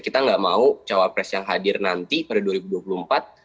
kita nggak mau cawapres yang hadir nanti pada dua ribu dua puluh empat